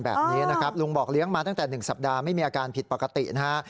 แบบนี้นะครับลุงบอกเลี้ยงมาตั้งแต่๑สัปดาห์ไม่มีอาการผิดปกตินะฮะ